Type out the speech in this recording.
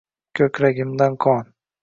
Ko’kragimdan qon.